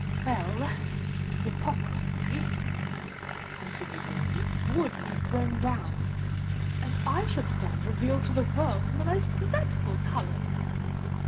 "Well—hypocrisy," continued the lady, "would be thrown down—and I should stand revealed to the world in the most dreadful colours.